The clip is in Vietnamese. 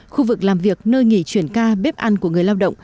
khu vực làm việc nơi nghỉ chuyển ca bếp ăn của người lao động